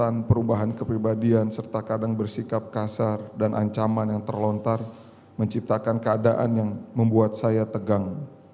dan rentan perubahan kepribadian serta kadang bersikap kasar dan ancaman yang terlontar menciptakan keadaan yang membuat saya tegang